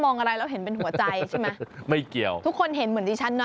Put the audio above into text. อะไรแล้วเห็นเป็นหัวใจใช่ไหมไม่เกี่ยวทุกคนเห็นเหมือนดิฉันเนอ